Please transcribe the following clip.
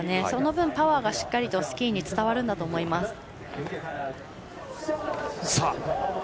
その分、パワーがしっかりとスキーに伝わるんだと思います。